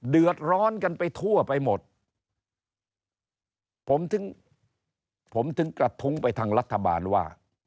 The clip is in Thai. เดือดร้อนกันไปทั่วไปหมดผมถึงผมถึงกระทุ้งไปทางรัฐบาลว่า